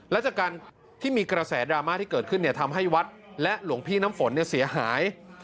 และจากการที่มีกระแสดราม่าที่เกิดขึ้นทำให้วัดและหลวงพี่น้ำฝนเสียหาย